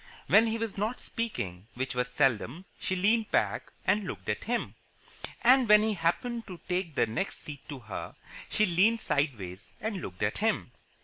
When he was not speaking which was seldom she leaned back and looked at him. And when he happened to take the next seat to her, she leaned sideways and looked at him.